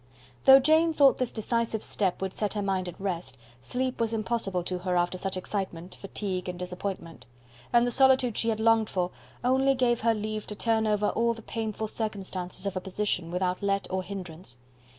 Though Jane thought this decisive step would set her mind at rest, sleep was impossible to her after such excitement, fatigue, and disappointment; and the solitude she had longed for only gave her leave to turn over all the painful circumstances of her position without let or hindrance.